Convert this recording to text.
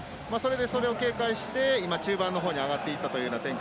それで警戒して中盤のほうに上がっていった展開。